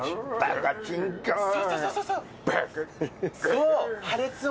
そう！